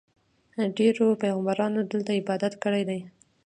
ډېرو پیغمبرانو دلته عبادت کړی دی.